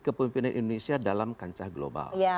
kepemimpinan indonesia dalam kancah global